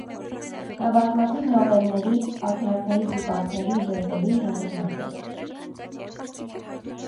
Նա բազմաթիվ նովելների, ակնարկների, վիպակների, վեպերի հեղինակ է։